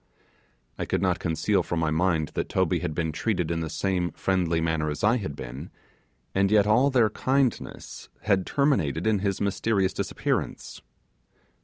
I could not conceal from my mind that Toby had been treated in the same friendly manner as I had been, and yet all their kindness terminated with his mysterious disappearance.